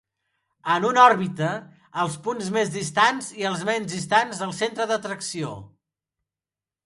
En una òrbita, els punts més distants i els menys distants del centre d'atracció.